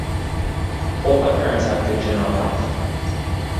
Both my parents have good general health.